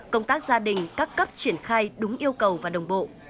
công tác gia đình các cấp triển khai đúng yêu cầu và đồng bộ